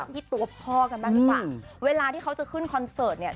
ที่ตัวพ่อกันบ้างดีกว่าเวลาที่เขาจะขึ้นคอนเสิร์ตเนี่ย